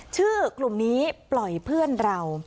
ชื่อกลุ่มนี้ปล่อยเพื่อนเรา